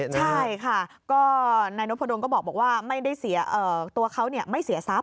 ใช่ค่ะก็น้อพะดนก็บอกว่าไม่ได้เสียตัวเขาไม่เสียทรัพย์